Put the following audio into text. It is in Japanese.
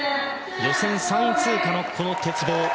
予選３位通過の鉄棒。